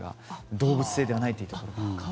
動物性ではないということが。